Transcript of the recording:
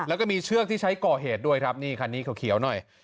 แล้วก็มีเชือกที่ใช้ก่อเหตุด้วยครับนี่คันนี้เขียวหน่อย